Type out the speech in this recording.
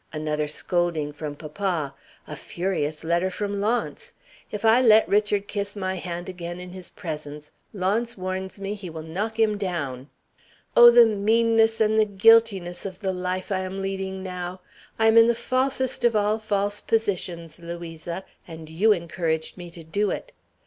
Another scolding from papa. A furious letter from Launce. If I let Richard kiss my hand again in his presence, Launce warns me he will knock him down. Oh, the meanness and the guiltiness of the life I am leading now! I am in the falsest of all false positions, Louisa, and you encouraged me to do it.